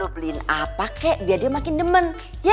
lu beliin apa kek biar dia makin demen ye